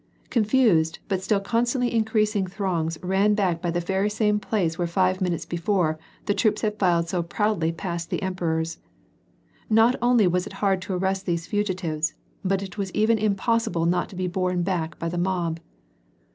Confused but still constantly increasing throngs ran back by the very same place where five minutes before, the troops had filed so proudly past the emperors Not only was it hard to arrest these fugitives, but it was even impossible not to be borne back by the mob.